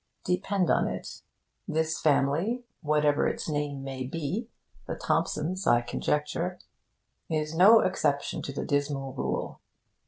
Depend on it, this family (whatever its name may be: the Thompsons, I conjecture) is no exception to the dismal rule.